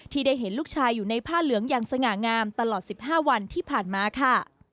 ได้เห็นลูกชายอยู่ในผ้าเหลืองอย่างสง่างามตลอด๑๕วันที่ผ่านมาค่ะ